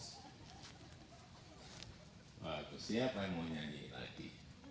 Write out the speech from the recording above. siapa yang mau nyanyi lagi